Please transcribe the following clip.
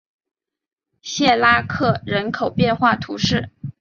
谢拉克人口变化图示